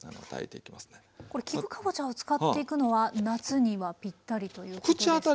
これ菊かぼちゃを使っていくのは夏にはピッタリということですか？